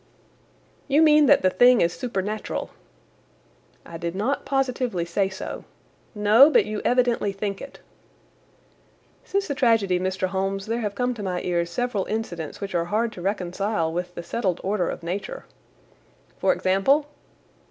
"You mean that the thing is supernatural?" "I did not positively say so." "No, but you evidently think it." "Since the tragedy, Mr. Holmes, there have come to my ears several incidents which are hard to reconcile with the settled order of Nature." "For example?"